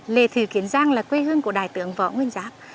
lê thị kiến giang là quê hương của đại tướng võ nguyên giáp